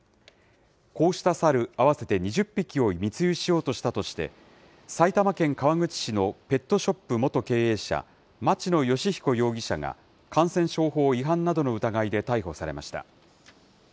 こうした猿、合わせて２０匹を密輸しようとしたとして、埼玉県川口市のペットショップ元経営者、町野義彦容疑者が、感染症法違反などの疑いで逮捕されました。